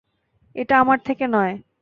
এটা আমার থেকে নয়।